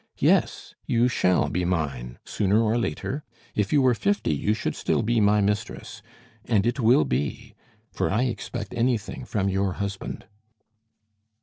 Yes, you shall be mine, sooner or later; if you were fifty, you should still be my mistress. And it will be; for I expect anything from your husband!"